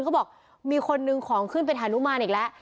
เขาบอกมีคนนึงของขึ้นไปหานุมานอีกแล้ว